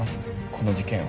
この事件を。